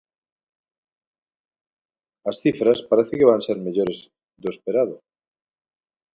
As cifras parece que van ser mellores do esperado.